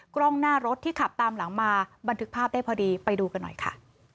กล้องหน้ารถที่ขับตามหลังมาบันทึกภาพได้พอดีไปดูกันหน่อยค่ะ